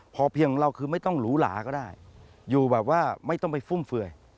พอเพียงของเราคือไม่ต้องหรูหลาก็ได้อยู่แบบว่าไม่ต้องไปฟุ่มเฟื่อย